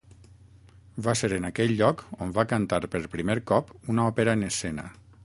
Va ser en aquest lloc on va cantar per primer cop una òpera en escena.